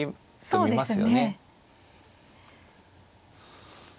そうですね。